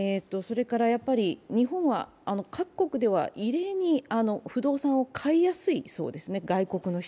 日本は、各国では異例に不動産を外国の人が買いやすいそうですね。